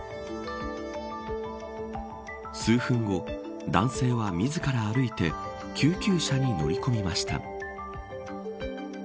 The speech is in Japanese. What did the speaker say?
数分後、男性は自ら歩いて救急車に乗り込みました。